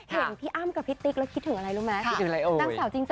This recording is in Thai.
เห็นพี่อ้ำกับพี่ติ๊กแล้วคิดถึงอะไรรู้ไหม